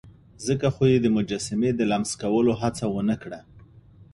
ځکه خو يې د مجسمې د لمس کولو هڅه ونه کړه.